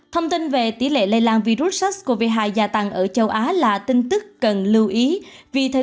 thông tin về tỷ lệ lây lan virus sars cov hai gia tăng ở châu á là tin tức cần lưu ý